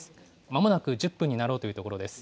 まもなく１０分になろうというところです。